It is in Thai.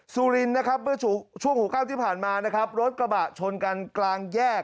ซูรินที่ผ่านมารถกระบะชนกันกลางแยก